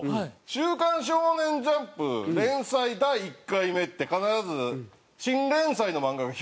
『週刊少年ジャンプ』連載第１回目って必ず新連載の漫画が表紙なんですよ。